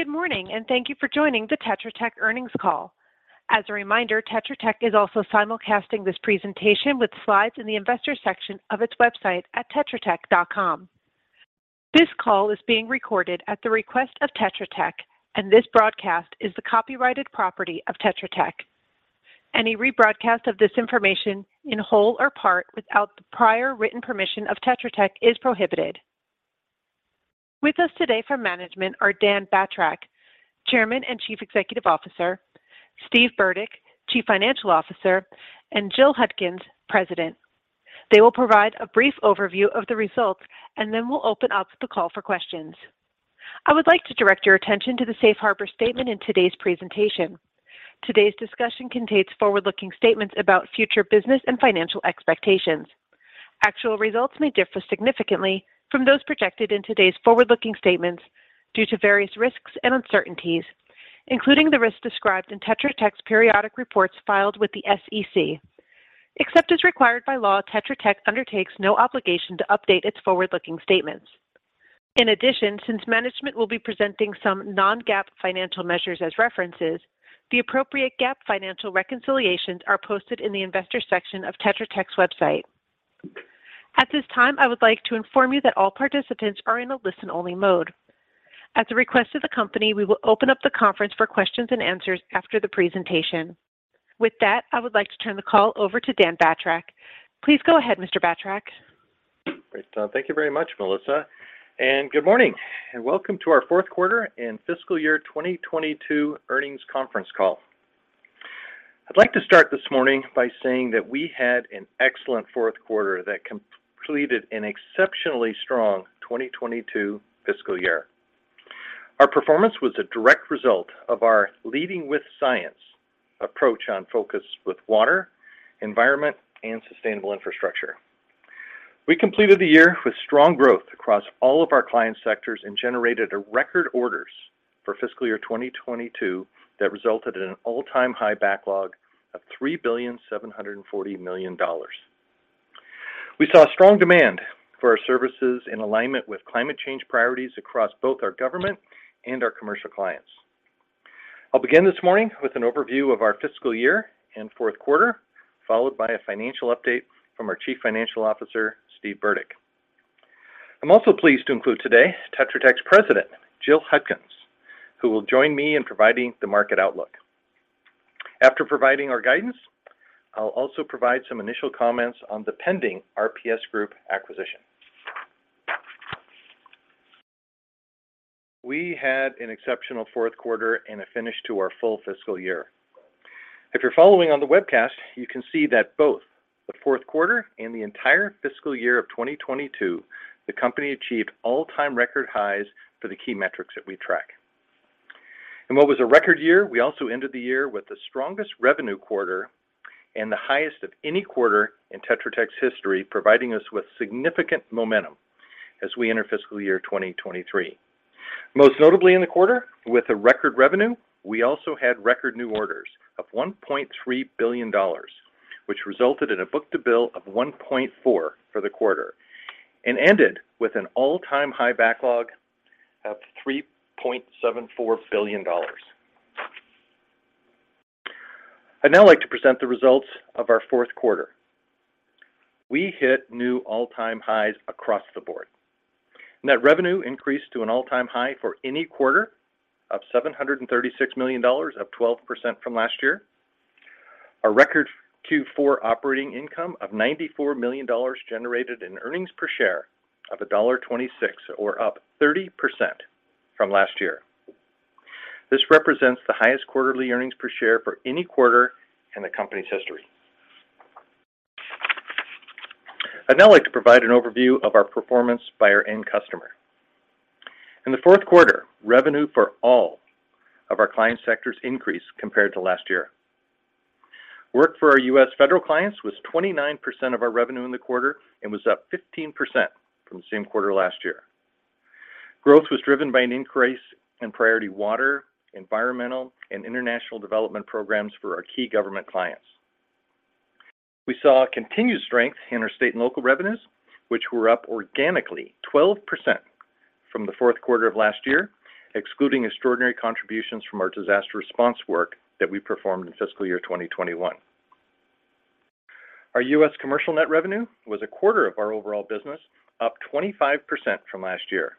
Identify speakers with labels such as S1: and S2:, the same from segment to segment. S1: Good morning, and thank you for joining the Tetra Tech earnings call. As a reminder, Tetra Tech is also simulcasting this presentation with slides in the investor section of its website at tetratech.com. This call is being recorded at the request of Tetra Tech, and this broadcast is the copyrighted property of Tetra Tech. Any rebroadcast of this information in whole or part without the prior written permission of Tetra Tech is prohibited. With us today from management are Dan Batrack, Chairman and Chief Executive Officer, Steve Burdick, Chief Financial Officer, and Jill Hudkins, President. They will provide a brief overview of the results, and then we'll open up the call for questions. I would like to direct your attention to the Safe Harbor statement in today's presentation. Today's discussion contains forward-looking statements about future business and financial expectations. Actual results may differ significantly from those projected in today's forward-looking statements due to various risks and uncertainties, including the risks described in Tetra Tech's periodic reports filed with the SEC. Except as required by law, Tetra Tech undertakes no obligation to update its forward-looking statements. In addition, since management will be presenting some non-GAAP financial measures as references, the appropriate GAAP financial reconciliations are posted in the Investor section of Tetra Tech's website. At this time, I would like to inform you that all participants are in a listen-only mode. At the request of the company, we will open up the conference for questions and answers after the presentation. With that, I would like to turn the call over to Dan Batrack. Please go ahead, Mr. Batrack.
S2: Great. Thank you very much, Melissa. Good morning, and welcome to our fourth quarter and fiscal year 2022 earnings conference call. I'd like to start this morning by saying that we had an excellent fourth quarter that completed an exceptionally strong 2022 fiscal year. Our performance was a direct result of our Leading with Science® approach on focus with water, environment, and sustainable infrastructure. We completed the year with strong growth across all of our client sectors and generated a record orders for fiscal year 2022 that resulted in an all-time high backlog of $3.74 billion. We saw strong demand for our services in alignment with climate change priorities across both our government and our commercial clients. I'll begin this morning with an overview of our fiscal year and fourth quarter, followed by a financial update from our Chief Financial Officer, Steve Burdick. I'm also pleased to include today Tetra Tech's President, Jill Hudkins, who will join me in providing the market outlook. After providing our guidance, I'll also provide some initial comments on the pending RPS Group acquisition. We had an exceptional fourth quarter and a finish to our full fiscal year. If you're following on the webcast, you can see that both the fourth quarter and the entire fiscal year of 2022, the company achieved all-time record highs for the key metrics that we track. In what was a record year, we also ended the year with the strongest revenue quarter and the highest of any quarter in Tetra Tech's history, providing us with significant momentum as we enter fiscal year 2023. Most notably in the quarter, with a record revenue, we also had record new orders of $1.3 billion, which resulted in a book-to-bill of 1.4 for the quarter and ended with an all-time high backlog of $3.74 billion. I'd now like to present the results of our fourth quarter. We hit new all-time highs across the board. Net revenue increased to an all-time high for any quarter of $736 million, up 12% from last year. Our record Q4 operating income of $94 million generated an earnings per share of $1.26 or up 30% from last year. This represents the highest quarterly earnings per share for any quarter in the company's history. I'd now like to provide an overview of our performance by our end customer. In the fourth quarter, revenue for all of our client sectors increased compared to last year. Work for our U.S. federal clients was 29% of our revenue in the quarter and was up 15% from the same quarter last year. Growth was driven by an increase in priority water, environmental, and international development programs for our key government clients. We saw continued strength in our state and local revenues, which were up organically 12% from the fourth quarter of last year, excluding extraordinary contributions from our disaster response work that we performed in fiscal year 2021. Our U.S. commercial net revenue was a quarter of our overall business, up 25% from last year.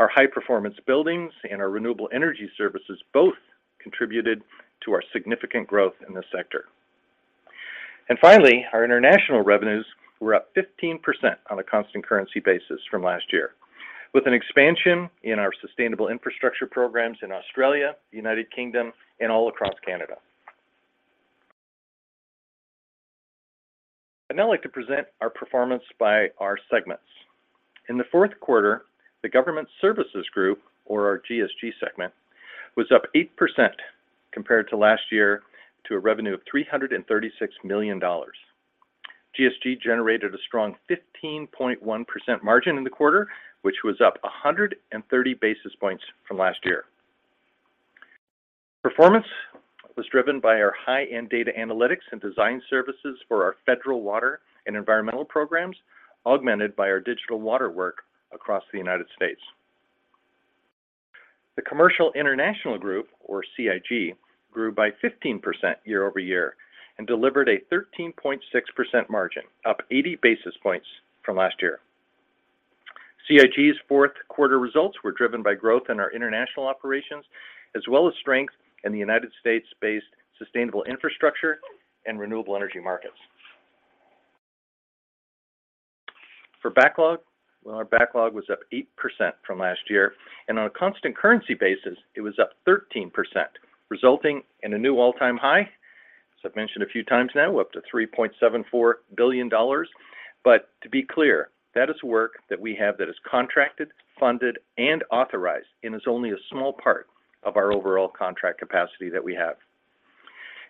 S2: Our high-performance buildings and our renewable energy services both contributed to our significant growth in this sector. Finally, our international revenues were up 15% on a constant currency basis from last year, with an expansion in our sustainable infrastructure programs in Australia, United Kingdom, and all across Canada. I'd now like to present our performance by our segments. In the fourth quarter, the Government Services Group, or our GSG segment, was up 8% compared to last year to a revenue of $336 million. GSG generated a strong 15.1% margin in the quarter, which was up 130 basis points from last year. Performance was driven by our high-end data analytics and design services for our federal water and environmental programs, augmented by our digital water work across the United States. The Commercial/International Group, or CIG, grew by 15% year-over-year and delivered a 13.6% margin, up 80 basis points from last year. CIG's fourth quarter results were driven by growth in our international operations as well as strength in the United States-based sustainable infrastructure and renewable energy markets. For backlog, well, our backlog was up 8% from last year, and on a constant currency basis, it was up 13%, resulting in a new all-time high. As I've mentioned a few times now, we're up to $3.74 billion. To be clear, that is work that we have that is contracted, funded, and authorized, and is only a small part of our overall contract capacity that we have.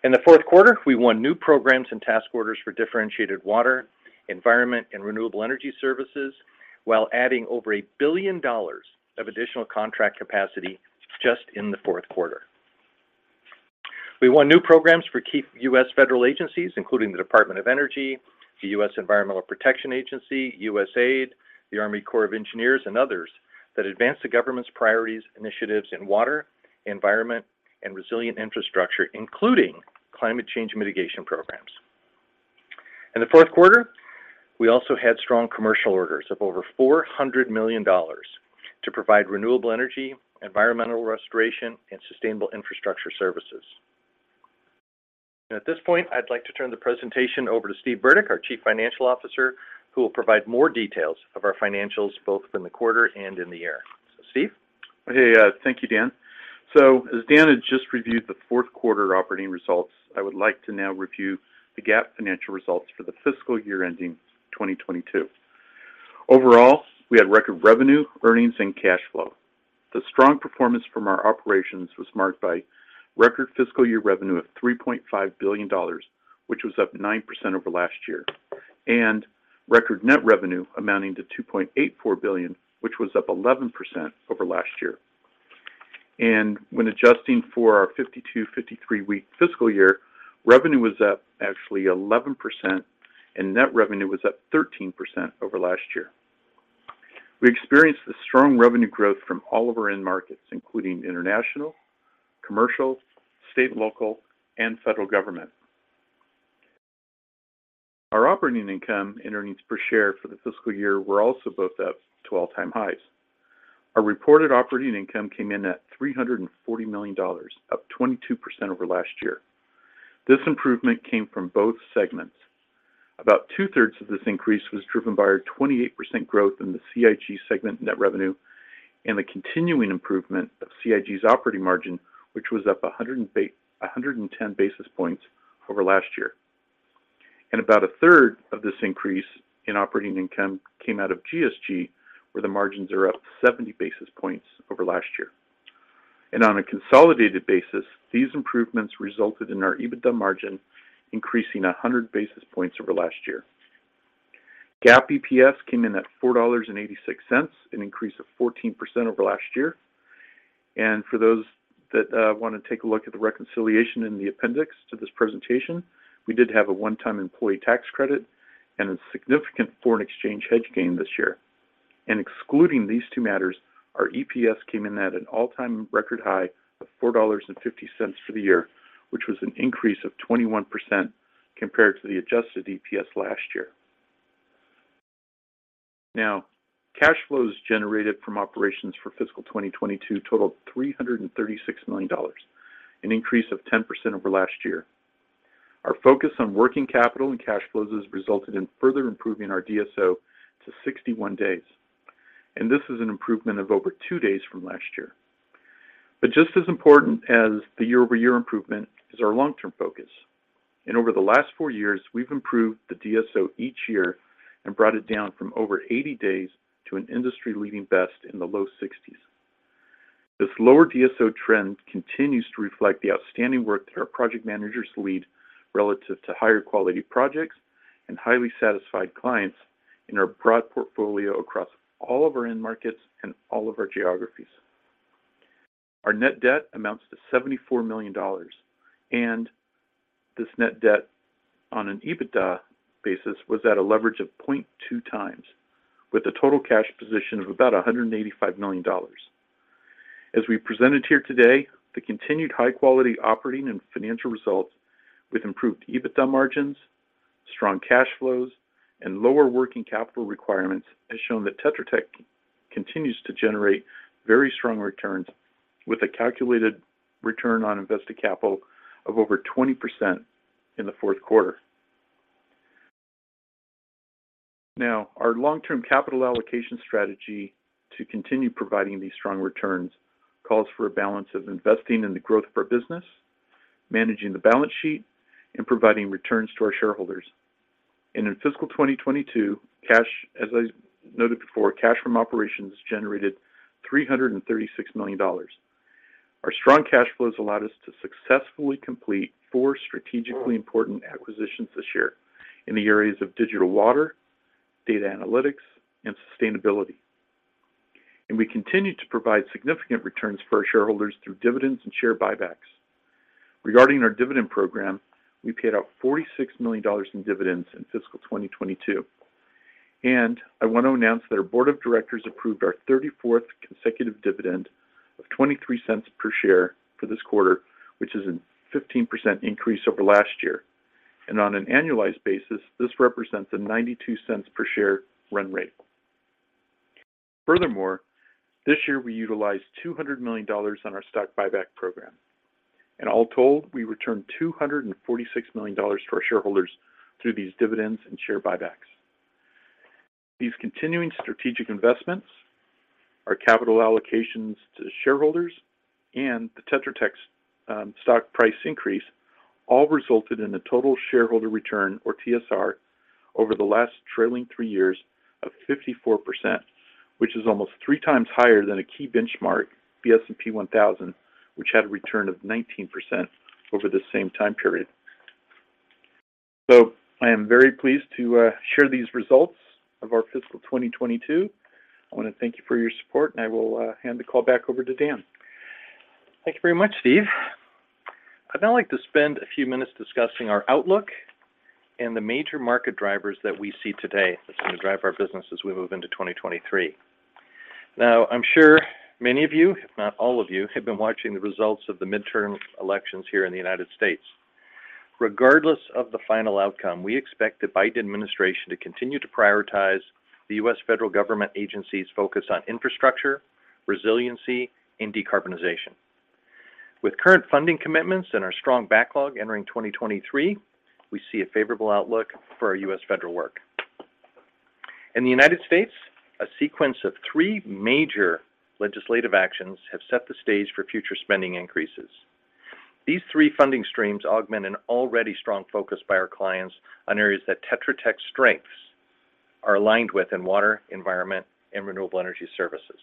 S2: In the fourth quarter, we won new programs and task orders for differentiated water, environment, and renewable energy services, while adding over a billion dollar of additional contract capacity just in the fourth quarter. We won new programs for key U.S. federal agencies, including the U.S. Department of Energy, the U.S. Environmental Protection Agency, USAID, the U.S. Army Corps of Engineers, and others that advance the government's priorities, initiatives in water, environment, and resilient infrastructure, including climate change mitigation programs. In the fourth quarter, we also had strong commercial orders of over $400 million to provide renewable energy, environmental restoration, and sustainable infrastructure services. At this point, I'd like to turn the presentation over to Steve Burdick, our Chief Financial Officer, who will provide more details of our financials, both in the quarter and in the year. Steve?
S3: Okay. Thank you, Dan. As Dan has just reviewed the fourth quarter operating results, I would like to now review the GAAP financial results for the fiscal year ending 2022. Overall, we had record revenue, earnings, and cash flow. The strong performance from our operations was marked by record fiscal year revenue of $3.5 billion, which was up 9% over last year, and record net revenue amounting to $2.84 billion, which was up 11% over last year. When adjusting for our 52/53 week fiscal year, revenue was up actually 11% and net revenue was up 13% over last year. We experienced the strong revenue growth from all of our end markets, including international, commercial, state and local, and federal government. Our operating income and earnings per share for the fiscal year were also both up to all-time highs. Our reported operating income came in at $340 million, up 22% over last year. This improvement came from both segments. About 2/3 of this increase was driven by our 28% growth in the CIG segment net revenue and the continuing improvement of CIG's operating margin, which was up 110 basis points over last year. About 1/3 of this increase in operating income came out of GSG, where the margins are up 70 basis points over last year. On a consolidated basis, these improvements resulted in our EBITDA margin increasing 100 basis points over last year. GAAP EPS came in at $4.86, an increase of 14% over last year. And for those that want to take a look at the reconciliation in the appendix to this presentation, we did have a one-time employee tax credit and a significant foreign exchange hedge gain this year. Excluding these two matters, our EPS came in at an all-time record high of $4.50 for the year, which was an increase of 21% compared to the adjusted EPS last year. Now, cash flows generated from operations for fiscal 2022 totaled $336 million, an increase of 10% over last year. Our focus on working capital and cash flows has resulted in further improving our DSO to 61 days. This is an improvement of over two days from last year. Just as important as the year-over-year improvement is our long-term focus. Over the last four years, we've improved the DSO each year and brought it down from over 80 days to an industry-leading best in the low 60s. This lower DSO trend continues to reflect the outstanding work that our project managers lead relative to higher quality projects and highly satisfied clients in our broad portfolio across all of our end markets and all of our geographies. Our net debt amounts to $74 million, and this net debt on an EBITDA basis was at a leverage of 0.2x, with a total cash position of about $185 million. As we presented here today, the continued high quality operating and financial results with improved EBITDA margins, strong cash flows, and lower working capital requirements has shown that Tetra Tech continues to generate very strong returns with a calculated return on invested capital of over 20% in the fourth quarter. Now, our long-term capital allocation strategy to continue providing these strong returns calls for a balance of investing in the growth of our business, managing the balance sheet, and providing returns to our shareholders. In fiscal 2022, cash, as I noted before, cash from operations generated $336 million. Our strong cash flows allowed us to successfully complete four strategically important acquisitions this year in the areas of digital water, data analytics, and sustainability. And we continue to provide significant returns for our shareholders through dividends and share buybacks. Regarding our dividend program, we paid out $46 million in dividends in fiscal 2022. And I want to announce that our Board of Directors approved our 34th consecutive dividend of $0.23 per share for this quarter, which is a 15% increase over last year. On an annualized basis, this represents a $0.92 per share run rate. Furthermore, this year we utilized $200 million on our stock buyback program. All told, we returned $246 million to our shareholders through these dividends and share buybacks. These continuing strategic investments, our capital allocations to shareholders, and the Tetra Tech stock price increase all resulted in a total shareholder return, or TSR, over the last trailing three years of 54%, which is almost 3x higher than a key benchmark, the S&P 1000, which had a return of 19% over the same time period. I am very pleased to share these results of our fiscal 2022. I want to thank you for your support, and I will hand the call back over to Dan.
S2: Thank you very much, Steve. I'd now like to spend a few minutes discussing our outlook and the major market drivers that we see today that's going to drive our business as we move into 2023. Now, I'm sure many of you, if not all of you, have been watching the results of the midterm elections here in the United States. Regardless of the final outcome, we expect the Biden administration to continue to prioritize the U.S. federal government agencies' focus on infrastructure, resiliency, and decarbonization. With current funding commitments and our strong backlog entering 2023, we see a favorable outlook for our U.S. federal work. In the United States, a sequence of three major legislative actions have set the stage for future spending increases. These three funding streams augment an already strong focus by our clients on areas that Tetra Tech's strengths are aligned with in water, environment, and renewable energy services.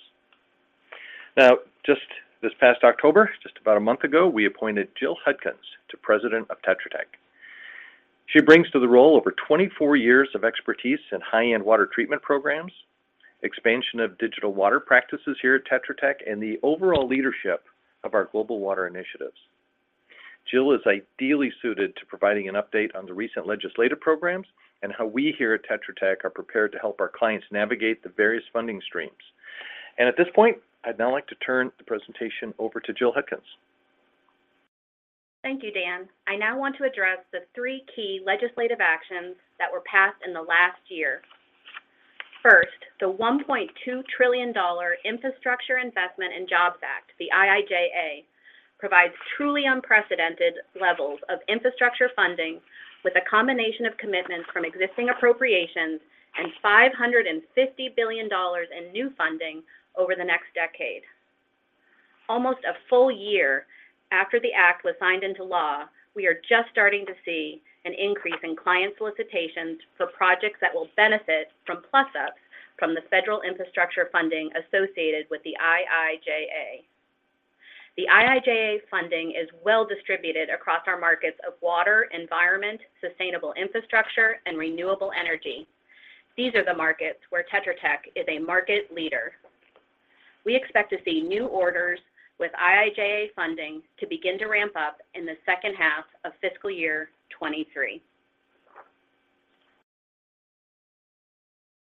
S2: Now, just this past October, just about a month ago, we appointed Jill Hudkins to President of Tetra Tech. She brings to the role over 24 years of expertise in high-end water treatment programs, expansion of digital water practices here at Tetra Tech, and the overall leadership of our global water initiatives. Jill is ideally suited to providing an update on the recent legislative programs and how we here at Tetra Tech are prepared to help our clients navigate the various funding streams. At this point, I'd now like to turn the presentation over to Jill Hudkins.
S4: Thank you, Dan. I now want to address the three key legislative actions that were passed in the last year. First, the $1.2 trillion Infrastructure Investment and Jobs Act, the IIJA, provides truly unprecedented levels of infrastructure funding with a combination of commitments from existing appropriations and $550 billion in new funding over the next decade. Almost a full year after the act was signed into law, we are just starting to see an increase in client solicitations for projects that will benefit from plus-ups from the federal infrastructure funding associated with the IIJA. The IIJA funding is well-distributed across our markets of water, environment, sustainable infrastructure, and renewable energy. These are the markets where Tetra Tech is a market leader. We expect to see new orders with IIJA funding to begin to ramp up in the second half of fiscal year 2023.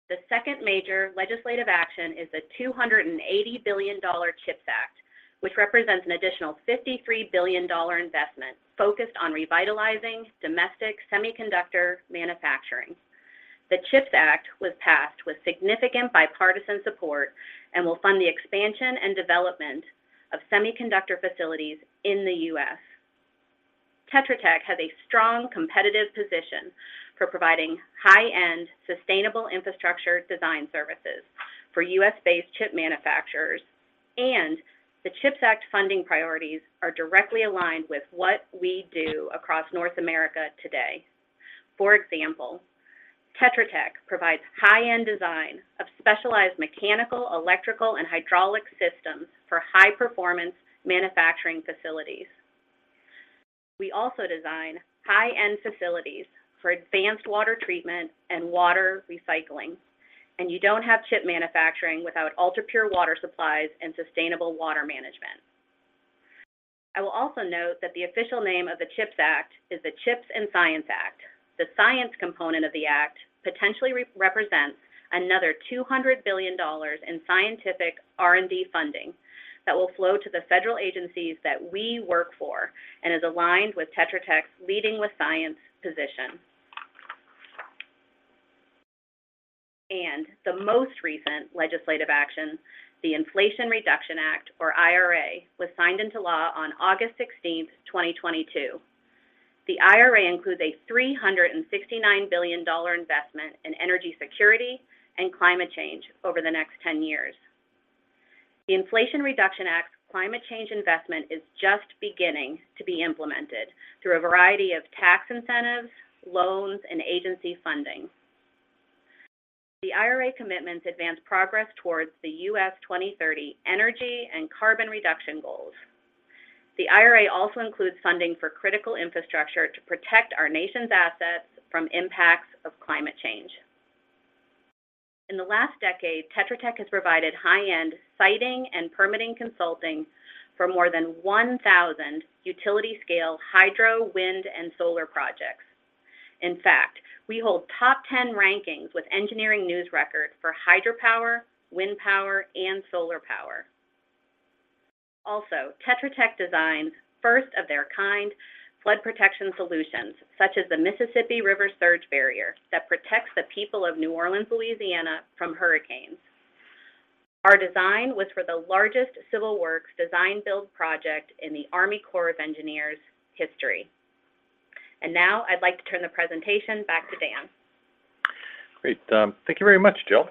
S4: The second major legislative action is the $280 billion CHIPS Act, which represents an additional $53 billion investment focused on revitalizing domestic semiconductor manufacturing. The CHIPS Act was passed with significant bipartisan support and will fund the expansion and development of semiconductor facilities in the U.S. Tetra Tech has a strong competitive position for providing high-end sustainable infrastructure design services for U.S.-based chip manufacturers, and the CHIPS Act funding priorities are directly aligned with what we do across North America today. For example, Tetra Tech provides high-end design of specialized mechanical, electrical, and hydraulic systems for high-performance manufacturing facilities. We also design high-end facilities for advanced water treatment and water recycling, and you don't have chip manufacturing without ultra-pure water supplies and sustainable water management. I will also note that the official name of the CHIPS Act is the CHIPS and Science Act. The science component of the act potentially represents another $200 billion in scientific R&D funding that will flow to the federal agencies that we work for and is aligned with Tetra Tech's Leading with Science® position. The most recent legislative action, the Inflation Reduction Act, or IRA, was signed into law on August 16, 2022. The IRA includes a $369 billion investment in energy security and climate change over the next 10 years. The Inflation Reduction Act's climate change investment is just beginning to be implemented through a variety of tax incentives, loans, and agency funding. The IRA commitments advance progress towards the U.S. 2030 energy and carbon reduction goals. The IRA also includes funding for critical infrastructure to protect our nation's assets from impacts of climate change. In the last decade, Tetra Tech has provided high-end siting and permitting consulting for more than 1,000 utility-scale hydro, wind, and solar projects. In fact, we hold top 10 rankings with Engineering News-Record for hydropower, wind power, and solar power. Also, Tetra Tech designs first of their kind flood protection solutions, such as the Mississippi River surge barrier that protects the people of New Orleans, Louisiana from hurricanes. Our design was for the largest civil works design build project in the Army Corps of Engineers history. Now I'd like to turn the presentation back to Dan.
S2: Great. Thank you very much, Jill.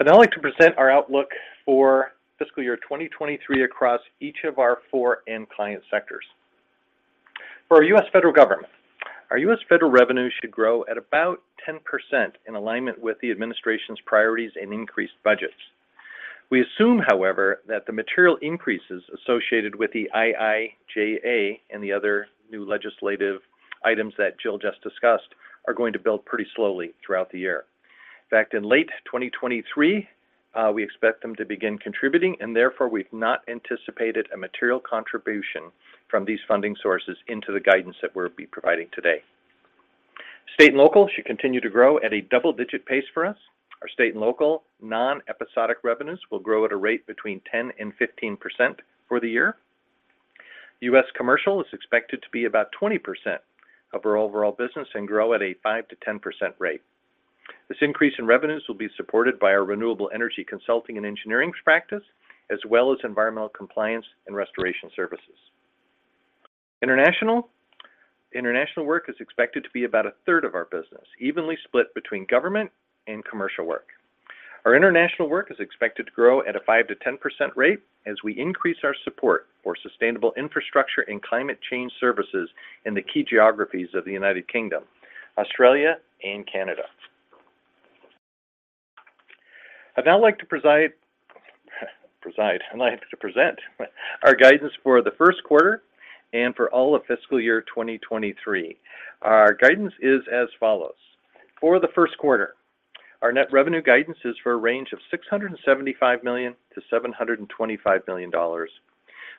S2: I'd now like to present our outlook for fiscal year 2023 across each of our four end client sectors. For our U.S. federal government, our U.S. federal revenue should grow at about 10% in alignment with the administration's priorities and increased budgets. We assume, however, that the material increases associated with the IIJA and the other new legislative items that Jill just discussed are going to build pretty slowly throughout the year. In fact, in late 2023, we expect them to begin contributing, and therefore, we've not anticipated a material contribution from these funding sources into the guidance that we'll be providing today. State and local should continue to grow at a double-digit pace for us. Our state and local non-episodic revenues will grow at a rate between 10%-15% for the year. U.S. commercial is expected to be about 20% of our overall business and grow at a 5%-10% rate. This increase in revenues will be supported by our renewable energy consulting and engineering practice, as well as environmental compliance and restoration services. International work is expected to be about a third of our business, evenly split between government and commercial work. Our international work is expected to grow at a 5%-10% rate as we increase our support for sustainable infrastructure and climate change services in the key geographies of the United Kingdom, Australia, and Canada. I'd now like to present our guidance for the first quarter and for all of fiscal year 2023. Our guidance is as follows. For the first quarter, our net revenue guidance is for a range of $675 million-$725 million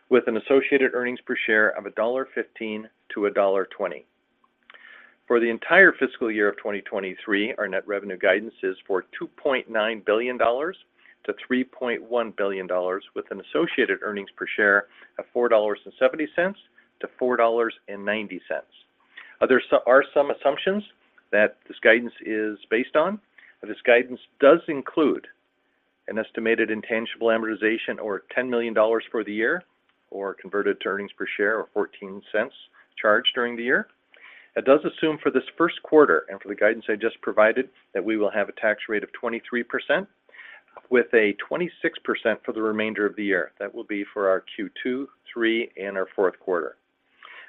S2: with an associated earnings per share of $1.15-$1.20. For the entire fiscal year of 2023, our net revenue guidance is for $2.9 billion-$3.1 billion with an associated earnings per share of $4.70-$4.90. There are some assumptions that this guidance is based on. This guidance does include an estimated intangible amortization of $10 million for the year or, converted to earnings per share, of $0.14 charged during the year. It does assume for this first quarter and for the guidance I just provided that we will have a tax rate of 23% with a 26% for the remainder of the year. That will be for our Q2, Q3, and our fourth quarter.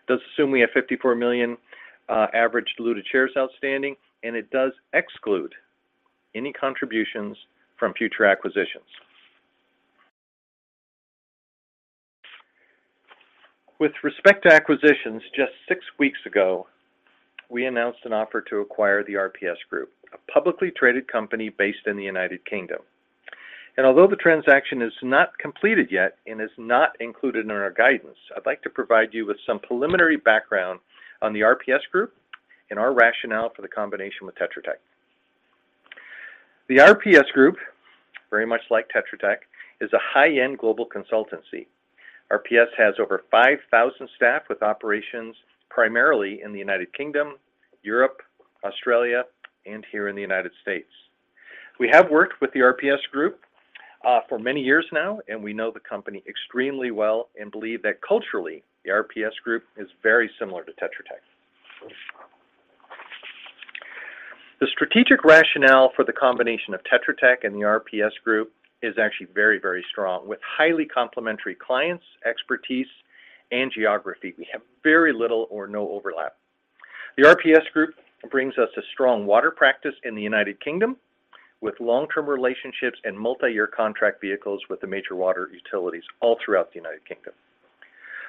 S2: It does assume we have 54 million average diluted shares outstanding, and it does exclude any contributions from future acquisitions. With respect to acquisitions, just six weeks ago, we announced an offer to acquire the RPS Group, a publicly traded company based in the United Kingdom. Although the transaction is not completed yet and is not included in our guidance, I'd like to provide you with some preliminary background on the RPS Group and our rationale for the combination with Tetra Tech. The RPS Group, very much like Tetra Tech, is a high-end global consultancy. RPS has over 5,000 staff with operations primarily in the United Kingdom, Europe, Australia, and here in the United States. We have worked with the RPS Group for many years now, and we know the company extremely well and believe that culturally, the RPS Group is very similar to Tetra Tech. The strategic rationale for the combination of Tetra Tech and the RPS Group is actually very, very strong. With highly complementary clients, expertise, and geography, we have very little or no overlap. The RPS Group brings us a strong water practice in the United Kingdom with long-term relationships and multi-year contract vehicles with the major water utilities all throughout the United Kingdom.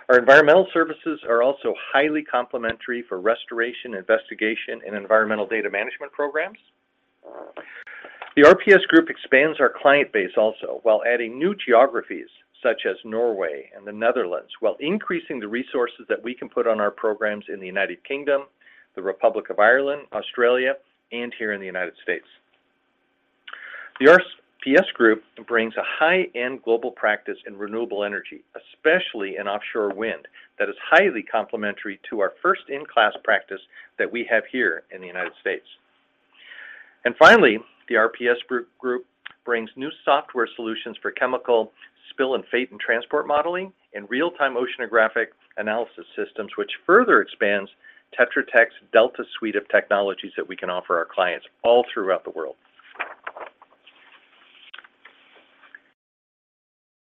S2: Our environmental services are also highly complementary for restoration, investigation, and environmental data management programs. The RPS Group expands our client base also while adding new geographies such as Norway and the Netherlands while increasing the resources that we can put on our programs in the United Kingdom, the Republic of Ireland, Australia, and here in the United States. The RPS Group brings a high-end global practice in renewable energy, especially in offshore wind, that is highly complementary to our first-in-class practice that we have here in the United States. Finally, the RPS Group brings new software solutions for chemical spill and fate and transport modeling and real-time oceanographic analysis systems, which further expands Tetra Tech's Delta suite of technologies that we can offer our clients all throughout the world.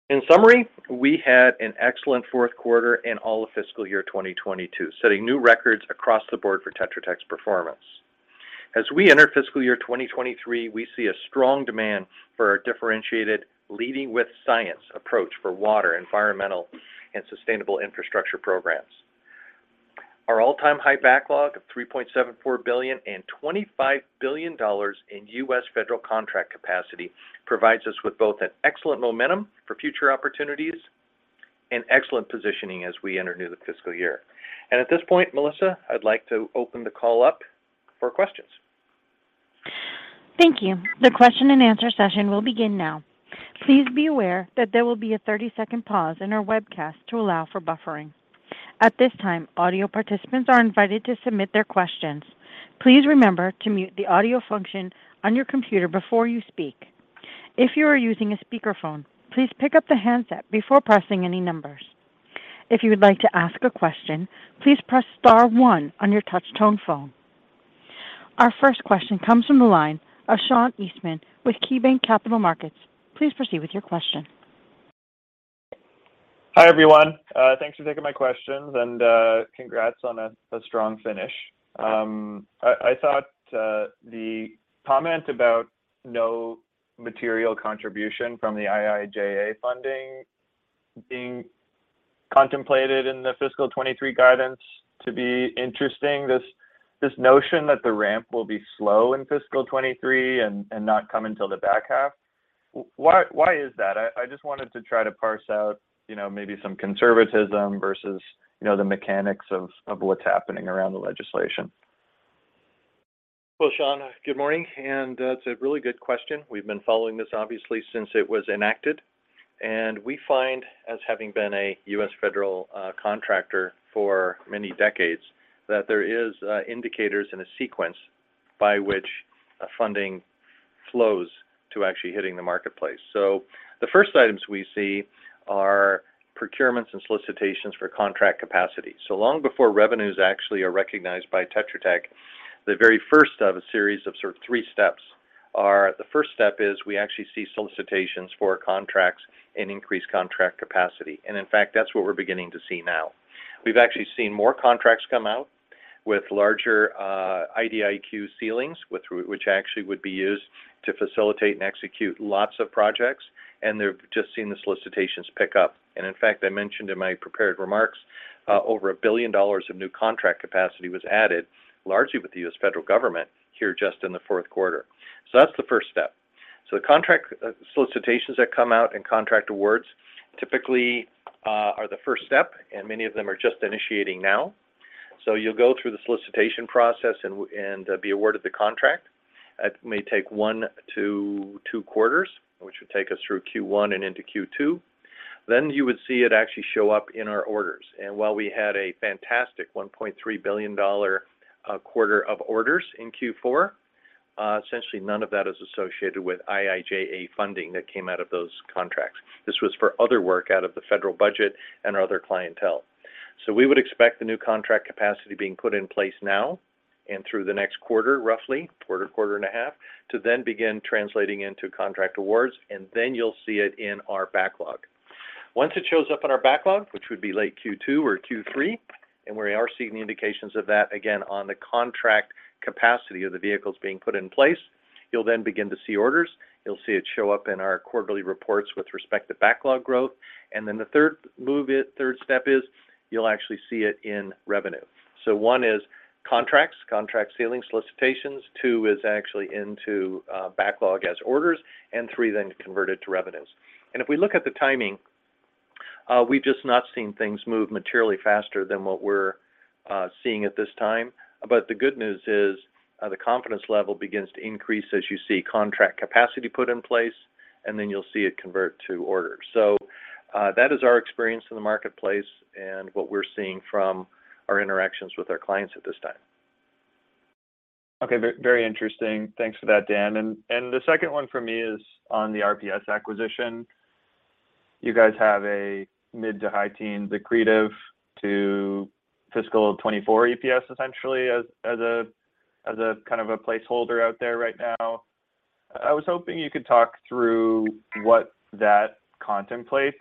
S2: In summary, we had an excellent fourth quarter and all of fiscal year 2022, setting new records across the board for Tetra Tech's performance. As we enter fiscal year 2023, we see a strong demand for our differentiated Leading with Science® approach for water, environmental, and sustainable infrastructure programs. Our all-time high backlog of $3.74 billion and $25 billion in U.S. federal contract capacity provides us with both an excellent momentum for future opportunities and excellent positioning as we enter the new fiscal year. At this point, Melissa, I'd like to open the call up for questions.
S1: Thank you. The question and answer session will begin now. Please be aware that there will be a 30-second pause in our webcast to allow for buffering. At this time, audio participants are invited to submit their questions. Please remember to mute the audio function on your computer before you speak. If you are using a speakerphone, please pick up the handset before pressing any numbers. If you would like to ask a question, please press star one on your touch-tone phone. Our first question comes from the line of Sean Eastman with KeyBanc Capital Markets. Please proceed with your question.
S5: Hi, everyone. Thanks for taking my questions and congrats on a strong finish. I thought the comment about no material contribution from the IIJA funding being contemplated in the fiscal 2023 guidance to be interesting, this notion that the ramp will be slow in fiscal 2023 and not come until the back half. Why is that? I just wanted to try to parse out, you know, maybe some conservatism versus, you know, the mechanics of what's happening around the legislation.
S2: Well, Sean, good morning. That's a really good question. We've been following this obviously since it was enacted. We find, as having been a U.S. federal contractor for many decades, that there is indicators and a sequence by which funding flows to actually hitting the marketplace. The first items we see are procurements and solicitations for contract capacity. Long before revenues actually are recognized by Tetra Tech, the very first of a series of sort of three steps are the first step is we actually see solicitations for contracts and increased contract capacity. In fact, that's what we're beginning to see now. We've actually seen more contracts come out with larger IDIQ ceilings with which actually would be used to facilitate and execute lots of projects, and they're just seeing the solicitations pick up. In fact, I mentioned in my prepared remarks, over a billion dollar of new contract capacity was added, largely with the U.S. federal government here just in the fourth quarter. That's the first step. The contract solicitations that come out and contract awards typically are the first step, and many of them are just initiating now. You'll go through the solicitation process and be awarded the contract. That may take one to two quarters, which would take us through Q1 and into Q2. You would see it actually show up in our orders. While we had a fantastic $1.3 billion quarter of orders in Q4, essentially none of that is associated with IIJA funding that came out of those contracts. This was for other work out of the federal budget and our other clientele. We would expect the new contract capacity being put in place now and through the next quarter, roughly quarter and a half, to then begin translating into contract awards, and then you'll see it in our backlog. Once it shows up in our backlog, which would be late Q2 or Q3, and we are seeing the indications of that again on the contract capacity of the vehicles being put in place, you'll then begin to see orders. You'll see it show up in our quarterly reports with respect to backlog growth. And the third step is you'll actually see it in revenue. One is contracts, contract ceiling solicitations. Two is actually into backlog as orders, and three then converted to revenues. If we look at the timing, we've just not seen things move materially faster than what we're seeing at this time. The good news is, the confidence level begins to increase as you see contract capacity put in place, and then you'll see it convert to orders. So that is our experience in the marketplace and what we're seeing from our interactions with our clients at this time.
S5: Okay. Very interesting. Thanks for that, Dan. The second one for me is on the RPS acquisition. You guys have a mid- to high-teens accretive to fiscal 2024 EPS essentially as a kind of placeholder out there right now. I was hoping you could talk through what that contemplates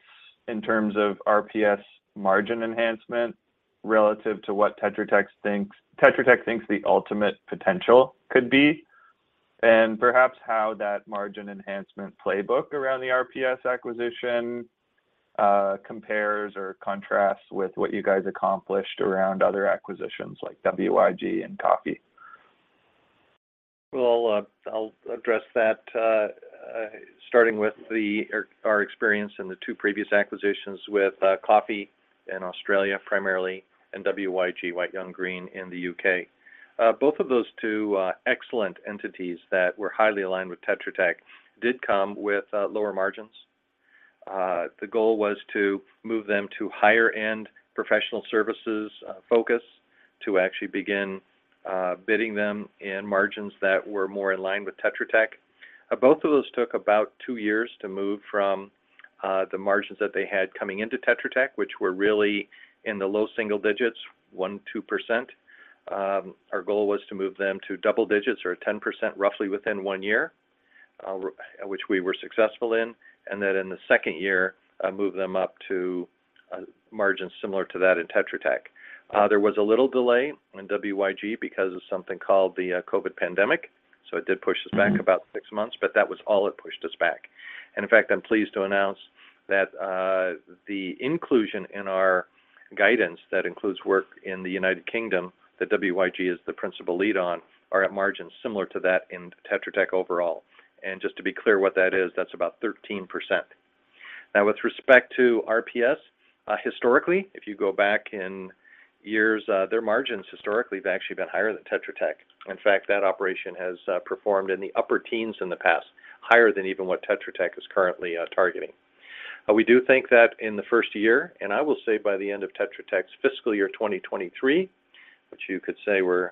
S5: in terms of RPS margin enhancement relative to what Tetra Tech thinks the ultimate potential could be and perhaps how that margin enhancement playbook around the RPS acquisition compares or contrasts with what you guys accomplished around other acquisitions like WYG and Coffey.
S2: Well, I'll address that starting with our experience in the two previous acquisitions with Coffey in Australia primarily and WYG, White Young Green, in the U.K. Both of those two excellent entities that were highly aligned with Tetra Tech did come with lower margins. The goal was to move them to higher end professional services focus to actually begin bidding them in margins that were more in line with Tetra Tech. Both of those took about two years to move from the margins that they had coming into Tetra Tech, which were really in the low single digits, 1%-2%. Our goal was to move them to double digits or 10% roughly within one year, at which we were successful in, and then in the second year, move them up to margins similar to that in Tetra Tech. There was a little delay in WYG because of something called the COVID pandemic, so it did push us back about six months, but that was all it pushed us back. In fact, I'm pleased to announce that the inclusion in our guidance that includes work in the United Kingdom that WYG is the principal lead on are at margins similar to that in Tetra Tech overall. Just to be clear what that is, that's about 13%. Now, with respect to RPS, historically, if you go back in years, their margins historically have actually been higher than Tetra Tech. In fact, that operation has performed in the upper teens in the past, higher than even what Tetra Tech is currently targeting. We do think that in the first year, and I will say by the end of Tetra Tech's fiscal year 2023, which you could say we'll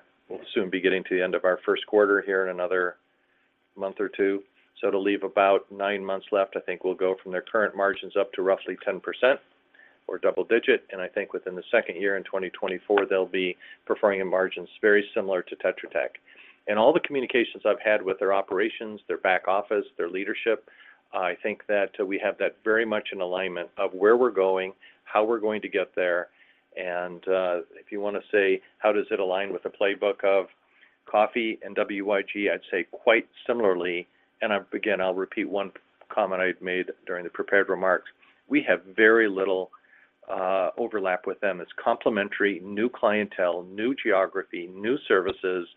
S2: soon be getting to the end of our first quarter here in another month or two. So it'll leave about nine months left. I think we'll go from their current margins up to roughly 10% or double digit. And I think within the second year in 2024, they'll be performing in margins very similar to Tetra Tech. In all the communications I've had with their operations, their back office, their leadership, I think that we have that very much in alignment of where we're going, how we're going to get there. If you wanna say how does it align with the playbook of Coffey and WYG, I'd say quite similarly. Again, I'll repeat one comment I had made during the prepared remarks. We have very little overlap with them. It's complementary, new clientele, new geography, new services,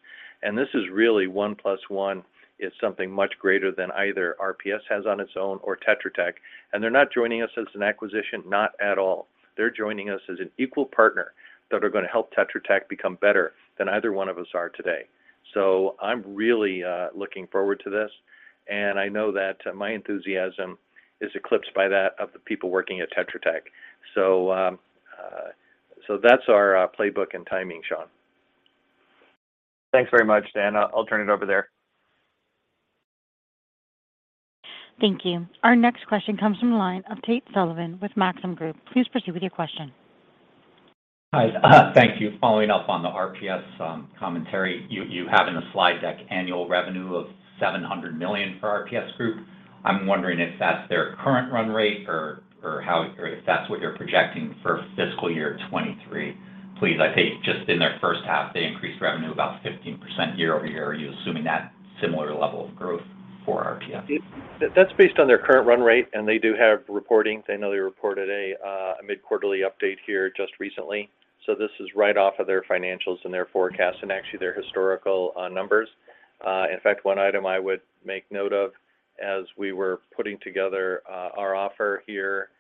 S2: and this is really one plus one is something much greater than either RPS has on its own or Tetra Tech. They're not joining us as an acquisition, not at all. They're joining us as an equal partner that are gonna help Tetra Tech become better than either one of us are today. I'm really looking forward to this, and I know that my enthusiasm is eclipsed by that of the people working at Tetra Tech. So that's our playbook and timing, Sean.
S5: Thanks very much, Dan. I'll turn it over there.
S1: Thank you. Our next question comes from the line of Tate Sullivan with Maxim Group. Please proceed with your question.
S6: Hi. Thank you. Following up on the RPS commentary, you have in the slide deck annual revenue of 700 million for RPS Group. I'm wondering if that's their current run rate or if that's what you're projecting for fiscal year 2023. I think just in their first half, they increased revenue about 15% year-over-year. Are you assuming that similar level of growth for RPS?
S2: That's based on their current run rate, and they do have reporting. I know they reported a mid-quarter update here just recently. This is right off of their financials and their forecasts and actually their historical numbers. In fact, one item I would make note of as we were putting together our offer here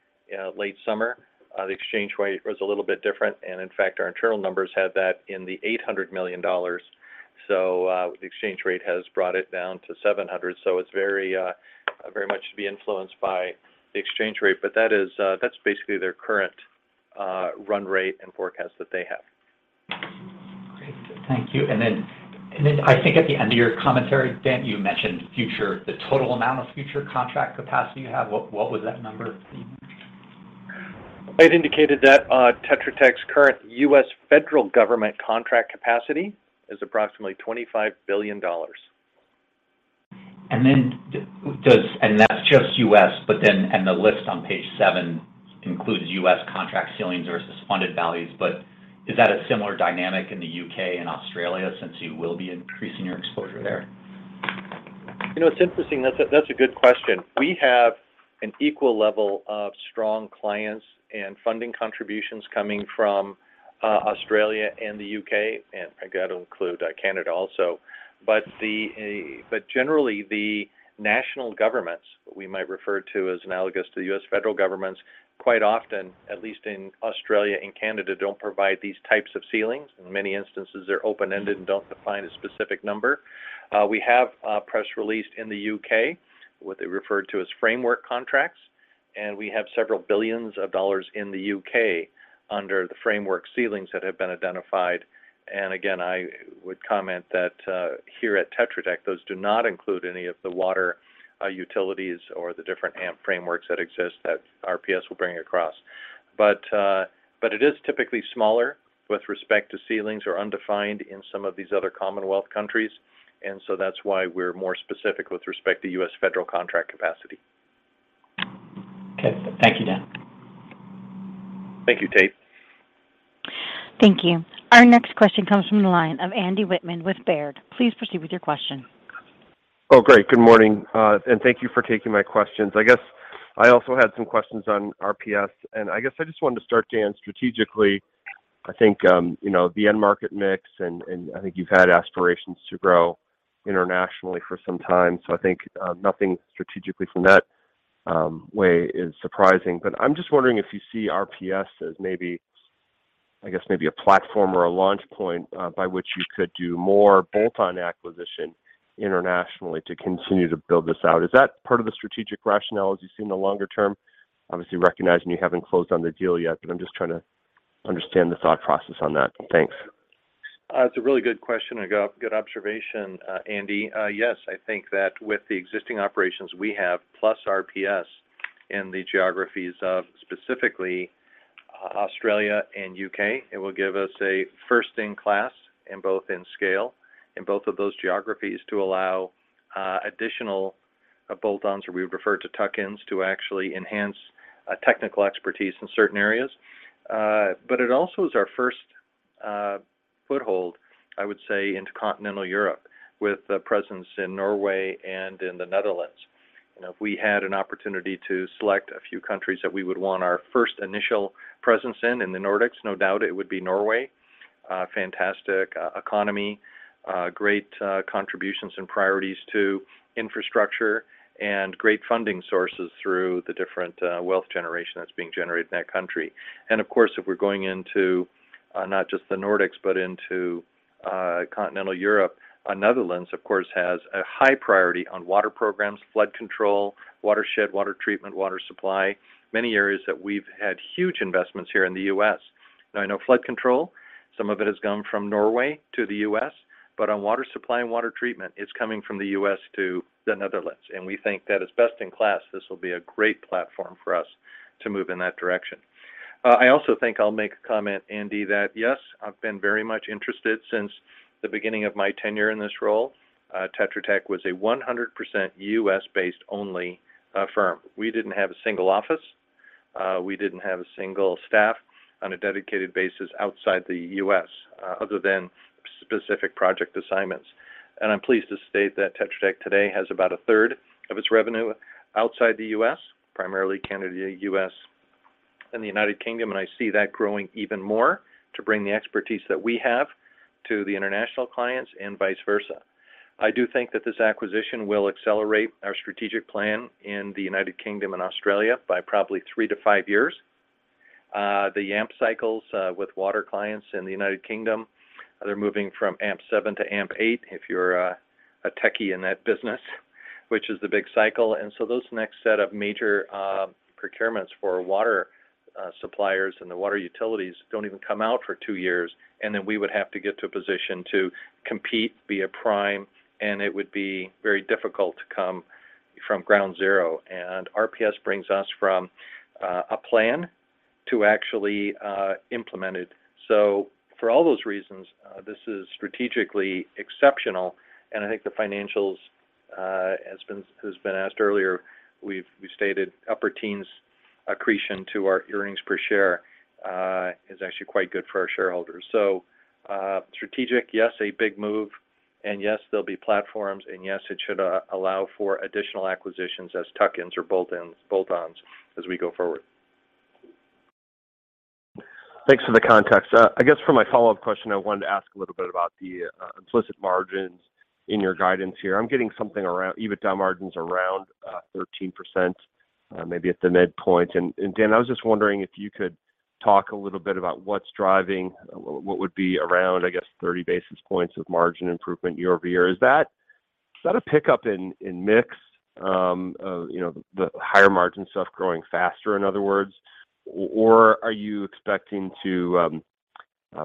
S2: late summer, the exchange rate was a little bit different, and in fact, our internal numbers had that in the $800 million. The exchange rate has brought it down to 700 million. It's very much to be influenced by the exchange rate. That's basically their current run rate and forecast that they have.
S6: Great. Thank you. I think at the end of your commentary, Dan, you mentioned future, the total amount of future contract capacity you have. What was that number please?
S2: I'd indicated that, Tetra Tech's current U.S. federal government contract capacity is approximately $25 billion.
S6: That's just U.S., but then, and the list on page seven includes U.S. contract ceilings versus funded values. Is that a similar dynamic in the U.K. and Australia since you will be increasing your exposure there?
S2: You know, it's interesting. That's a good question. We have an equal level of strong clients and funding contributions coming from Australia and the U.K., and I gotta include Canada also. Generally, the national governments we might refer to as analogous to the U.S. federal governments, quite often, at least in Australia and Canada, don't provide these types of ceilings. In many instances, they're open-ended and don't define a specific number. We have press releases in the U.K. what they referred to as framework contracts, and we have several billions of dollars in the U.K. under the framework ceilings that have been identified. Again, I would comment that here at Tetra Tech, those do not include any of the water utilities or the different AMP frameworks that exist that RPS will bring across. It is typically smaller with respect to ceilings or undefined in some of these other Commonwealth countries. That's why we're more specific with respect to U.S. federal contract capacity.
S6: Okay. Thank you, Dan.
S2: Thank you, Tate.
S1: Thank you. Our next question comes from the line of Andrew Wittmann with Baird. Please proceed with your question.
S7: Oh, great. Good morning, and thank you for taking my questions. I guess I also had some questions on RPS, and I guess I just wanted to start, Dan, strategically, I think, you know, the end market mix and I think you've had aspirations to grow internationally for some time. So I think, nothing strategically from that way is surprising. But I'm just wondering if you see RPS as maybe, I guess maybe a platform or a launch point, by which you could do more bolt-on acquisition internationally to continue to build this out. Is that part of the strategic rationale as you see in the longer term? Obviously, recognizing you haven't closed on the deal yet, but I'm just trying to understand the thought process on that. Thanks.
S2: It's a really good question. A good observation, Andy. Yes, I think that with the existing operations we have, plus RPS in the geographies of specifically Australia and U.K. It will give us a first in class in scale in both of those geographies to allow additional bolt-ons, or we would refer to tuck-ins to actually enhance technical expertise in certain areas. But it's also is our first foothold, I would say, into continental Europe with a presence in Norway and in the Netherlands. You know, if we had an opportunity to select a few countries that we would want our first initial presence in the Nordics, no doubt it would be Norway. Fantastic economy, great contributions and priorities to infrastructure and great funding sources through the different wealth generation that's being generated in that country. Of course, if we're going into not just the Nordics, but into continental Europe, Netherlands, of course, has a high priority on water programs, flood control, watershed, water treatment, water supply, many areas that we've had huge investments here in the U.S. Now I know flood control, some of it has come from Norway to the U.S., but on water supply and water treatment, it's coming from the U.S. to the Netherlands, and we think that it's best in class. This will be a great platform for us to move in that direction. I also think I'll make a comment, Andy, that, yes, I've been very much interested since the beginning of my tenure in this role. Tetra Tech was a 100% U.S.-based only firm. We didn't have a single office. We didn't have a single staff on a dedicated basis outside the U.S., other than specific project assignments. I'm pleased to state that Tetra Tech today has about 1/3 of its revenue outside the U.S., primarily Canada, U.S., and the United Kingdom, and I see that growing even more to bring the expertise that we have to the international clients and vice versa. I do think that this acquisition will accelerate our strategic plan in the United Kingdom and Australia by probably 3-5 years. The AMP cycles with water clients in the United Kingdom, they're moving from AMP7 to AMP8, if you're a techie in that business, which is the big cycle. Those next set of major procurements for water suppliers and the water utilities don't even come out for two years, and then we would have to get to a position to compete, be a prime, and it would be very difficult to come from ground zero. RPS brings us from a plan to actually implement it. So for all those reasons, this is strategically exceptional, and I think the financials, as has been asked earlier, we've stated upper teens accretion to our earnings per share, is actually quite good for our shareholders. So strategic, yes, a big move, and yes, there'll be platforms, and yes, it should allow for additional acquisitions as tuck-ins or bolt-ins, bolt-ons as we go forward.
S7: Thanks for the context. I guess for my follow-up question, I wanted to ask a little bit about the implicit margins in your guidance here. I'm getting something around EBITDA margins around 13%, maybe at the midpoint. Dan, I was just wondering if you could talk a little bit about what's driving what would be around, I guess, 30 basis points of margin improvement year-over-year. Is that a pickup in mix of, you know, the higher margin stuff growing faster in other words? Or are you expecting to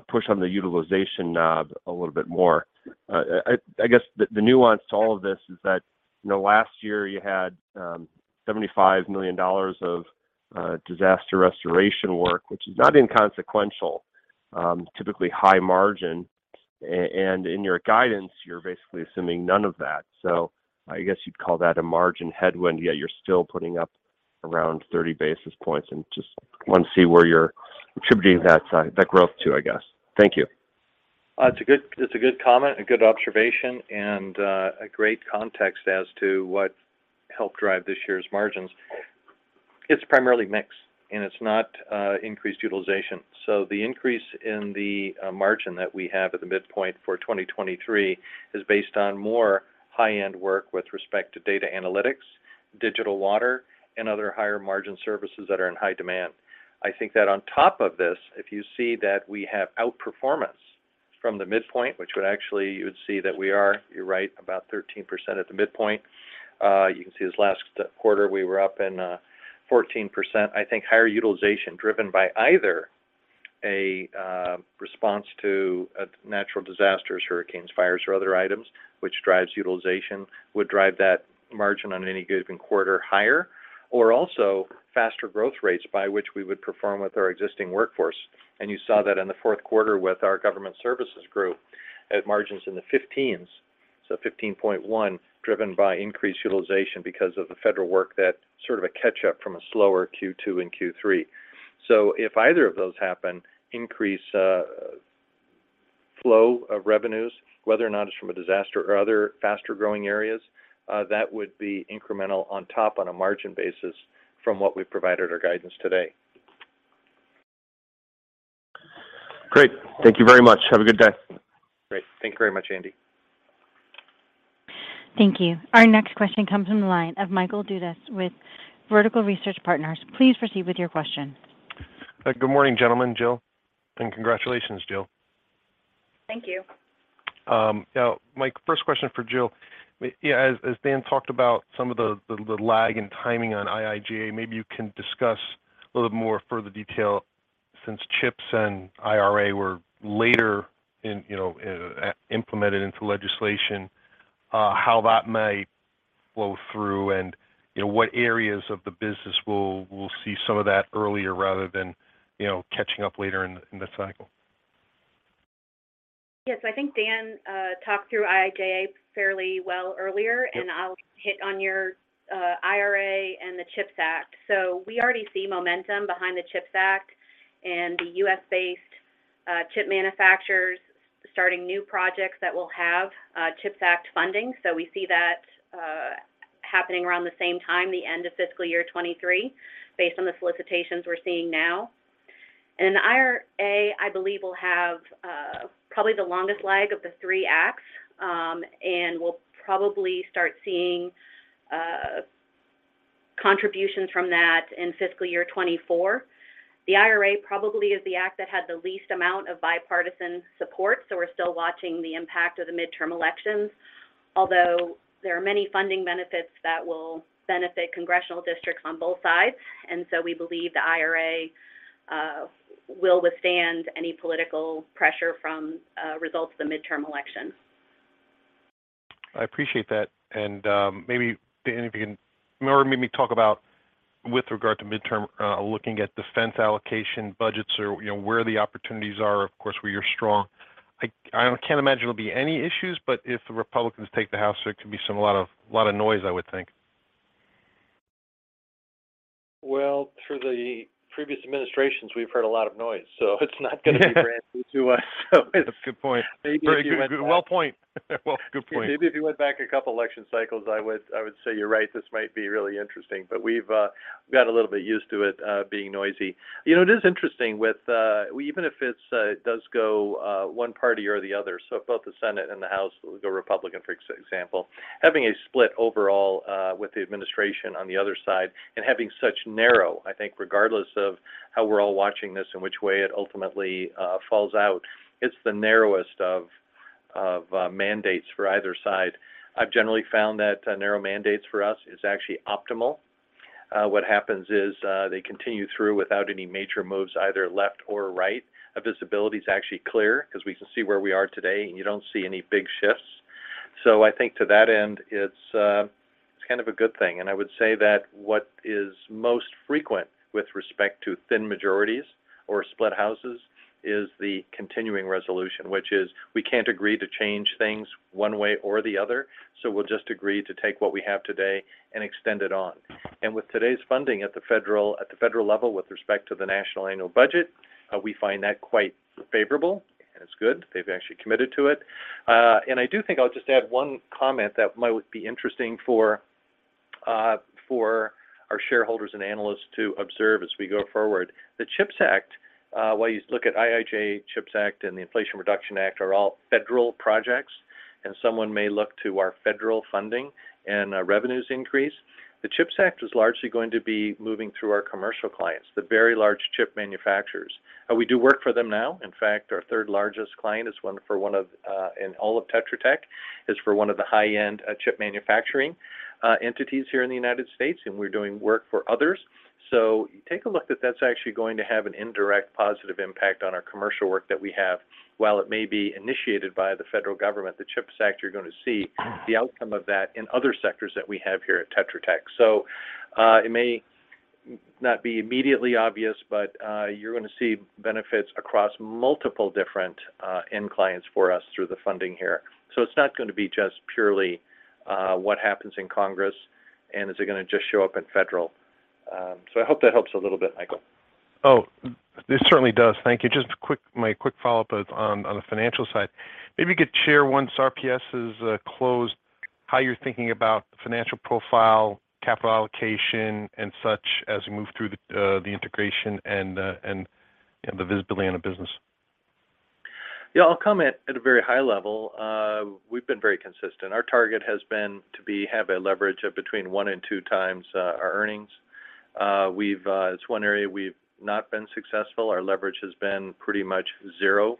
S7: push on the utilization knob a little bit more? I guess the nuance to all of this is that, you know, last year you had $75 million of disaster restoration work, which is not inconsequential, typically high margin. In your guidance, you're basically assuming none of that. I guess you'd call that a margin headwind, yet you're still putting up around 30 basis points. Just want to see where you're attributing that growth to, I guess. Thank you.
S2: It's a good comment, a good observation, and a great context as to what helped drive this year's margins. It's primarily mix, and it's not increased utilization. The increase in the margin that we have at the midpoint for 2023 is based on more high-end work with respect to data analytics, digital water, and other higher margin services that are in high demand. I think that on top of this, if you see that we have outperformance from the midpoint, which would actually, you would see that we are, you're right, about 13% at the midpoint. You can see this last quarter, we were up in 14%. I think higher utilization driven by either a response to natural disasters, hurricanes, fires, or other items, which drives utilization, would drive that margin on any given quarter higher, or also faster growth rates by which we would perform with our existing workforce. You saw that in the fourth quarter with our Government Services Group at margins in the 15%, so 15.1%, driven by increased utilization because of the federal work that sort of a catch-up from a slower Q2 and Q3. If either of those happen, increase flow of revenues, whether or not it's from a disaster or other faster-growing areas, that would be incremental on top on a margin basis from what we've provided our guidance today.
S7: Great. Thank you very much. Have a good day.
S2: Great. Thank you very much, Andrew.
S1: Thank you. Our next question comes from the line of Michael Dudas with Vertical Research Partners. Please proceed with your question.
S8: Good morning, gentlemen, Jill. Congratulations, Jill.
S4: Thank you.
S8: Now my first question is for Jill. Yeah, as Dan talked about some of the lag in timing on IIJA, maybe you can discuss a little more further detail since CHIPS and IRA were later in, you know, implemented into legislation, how that may flow through and, you know, what areas of the business will see some of that earlier rather than, you know, catching up later in the cycle.
S4: Yes. I think Dan talked through IIJA fairly well earlier.
S8: Yep.
S4: I'll hit on your IRA and the CHIPS Act. We already see momentum behind the CHIPS Act and the U.S.-based chip manufacturers starting new projects that will have CHIPS Act funding. We see that happening around the same time, the end of fiscal year 2023, based on the solicitations we're seeing now. The IRA, I believe, will have probably the longest lag of the three acts. We'll probably start seeing contributions from that in fiscal year 2024. The IRA probably is the act that had the least amount of bipartisan support, so we're still watching the impact of the midterm elections. Although there are many funding benefits that will benefit congressional districts on both sides, and so we believe the IRA will withstand any political pressure from results of the midterm elections.
S8: I appreciate that. Maybe, Dan, if you can maybe talk about with regard to midterm, looking at defense allocation budgets or, you know, where the opportunities are, of course, where you're strong. I can't imagine there'll be any issues, but if the Republicans take the House, there could be some, a lot of noise, I would think.
S2: Well, through the previous administrations, we've heard a lot of noise, so it's not gonna be brand new to us.
S8: Good point. Very good. Well pointed. Well, good point.
S2: Maybe if you went back a couple election cycles, I would say you're right, this might be really interesting. We've got a little bit used to it being noisy. You know, it is interesting with even if it does go one party or the other, so if both the Senate and the House go Republican, for example, having a split overall with the administration on the other side and having such narrow. I think regardless of how we're all watching this and which way it ultimately falls out, it's the narrowest of mandates for either side. I've generally found that narrow mandates for us is actually optimal. What happens is they continue through without any major moves, either left or right. Visibility's actually clear because we can see where we are today, and you don't see any big shifts. I think to that end, it's kind of a good thing. I would say that what is most frequent with respect to thin majorities or split houses is the continuing resolution, which is we can't agree to change things one way or the other, so we'll just agree to take what we have today and extend it on. With today's funding at the federal level with respect to the national annual budget, we find that quite favorable, and it's good. They've actually committed to it. I do think I'll just add one comment that might be interesting for our shareholders and analysts to observe as we go forward. The CHIPS Act, while you look at IIJA, CHIPS Act, and the Inflation Reduction Act, are all federal projects, and someone may look to our federal funding and revenues increase. The CHIPS Act is largely going to be moving through our commercial clients, the very large chip manufacturers. We do work for them now. In fact, our third-largest client is one of in all of Tetra Tech for one of the high-end chip manufacturing entities here in the United States, and we're doing work for others. So take a look, that's actually going to have an indirect positive impact on our commercial work that we have. While it may be initiated by the federal government, the CHIPS Act, you're gonna see the outcome of that in other sectors that we have here at Tetra Tech. So it may not be immediately obvious, but you're gonna see benefits across multiple different end clients for us through the funding here. So it's not gonna be just purely what happens in Congress, and is it gonna just show up in federal. I hope that helps a little bit, Michael.
S8: Oh, this certainly does. Thank you. Just quick, my quick follow-up is on the financial side. Maybe you could share once RPS is closed, how you're thinking about financial profile, capital allocation, and such as we move through the integration and, you know, the visibility on the business.
S2: Yeah, I'll comment at a very high level. We've been very consistent. Our target has been to have a leverage of between 1x and 2x times our earnings. It's one area we've not been successful. Our leverage has been pretty much 0x.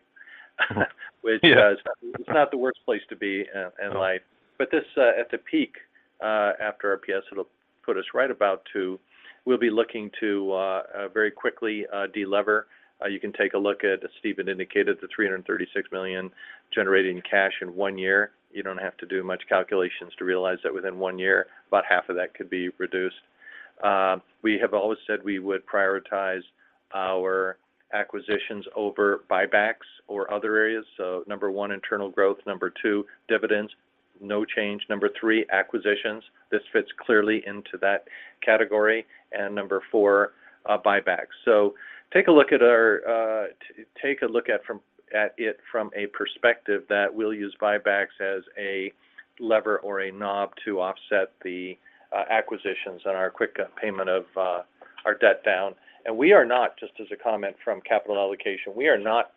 S8: Yeah.
S2: Which is, it's not the worst place to be in life. But this, at the peak, after RPS, it'll put us right about to we'll be looking to very quickly de-lever. You can take a look at, as Steve indicated, the $336 million generating cash in one year. You don't have to do much calculations to realize that within one year, about half of that could be reduced. We have always said we would prioritize our acquisitions over buybacks or other areas. So number one, internal growth. Number two, dividends, no change. Number three, acquisitions. This fits clearly into that category. Number four, buybacks. Take a look at it from a perspective that we'll use buybacks as a lever or a knob to offset the acquisitions and our quick payment of our debt down. We are not, just as a comment from capital allocation,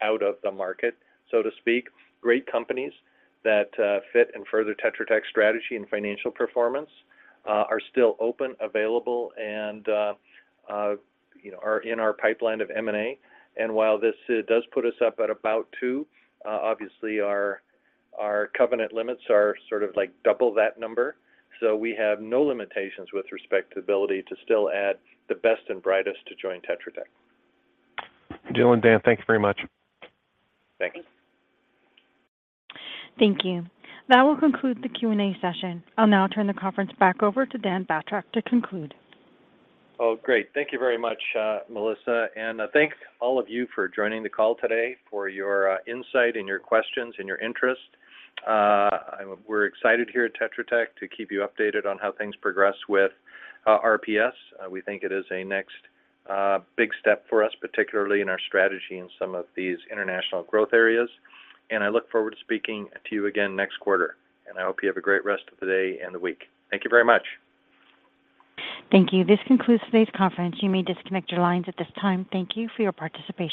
S2: out of the market, so to speak. Great companies that fit and further Tetra Tech's strategy and financial performance are still open, available, and you know, are in our pipeline of M&A. While this does put us up at about 2x, obviously our covenant limits are sort of like double that number. We have no limitations with respect to ability to still add the best and brightest to join Tetra Tech.
S8: Jill and Dan, thank you very much.
S2: Thank you.
S4: Thank you.
S1: Thank you. That will conclude the Q&A session. I'll now turn the conference back over to Dan Batrack to conclude.
S2: Oh, great. Thank you very much, Melissa. Thank all of you for joining the call today, for your insight and your questions and your interest. We're excited here at Tetra Tech to keep you updated on how things progress with RPS. We think it is the next big step for us, particularly in our strategy in some of these international growth areas. I look forward to speaking to you again next quarter. I hope you have a great rest of the day and the week. Thank you very much.
S1: Thank you. This concludes today's conference. You may disconnect your lines at this time. Thank you for your participation.